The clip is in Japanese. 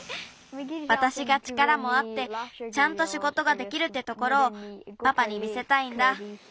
わたしが力もあってちゃんとしごとができるってところをパパに見せたいんだ。